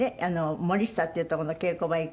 森下っていうとこの稽古場へ行く。